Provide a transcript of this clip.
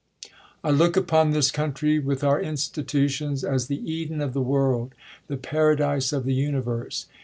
I look upon this country, with our institutions, as the Eden of the world, the Paradise of the Universe.